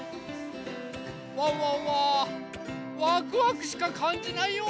ワンワンはワクワクしかかんじないよ！